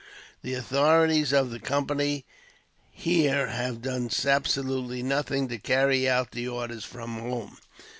The authorities of the Company here have done absolutely nothing to carry out the orders from home.